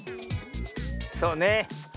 そうね。